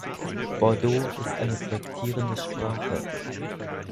Bodo ist eine flektierende Sprache.